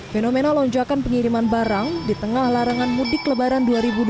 fenomena lonjakan pengiriman barang di tengah larangan mudik lebaran dua ribu dua puluh